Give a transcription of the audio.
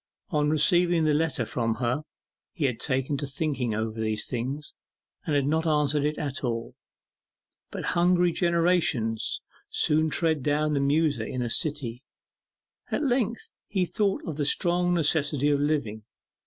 On receiving the letter from her he had taken to thinking over these things, and had not answered it at all. But 'hungry generations' soon tread down the muser in a city. At length he thought of the strong necessity of living.